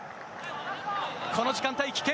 この時間帯、危険。